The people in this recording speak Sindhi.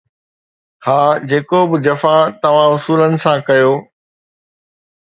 ها، جيڪو به جفا توهان اصولن سان ڪيو